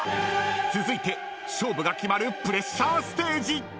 ［続いて勝負が決まるプレッシャーステージ！］